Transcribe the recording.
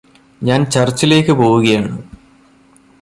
ഞാന് ചർച്ചിലേക്ക് പോവുകയാണ്